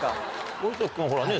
森崎君はほらね